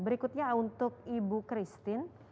berikutnya untuk ibu christine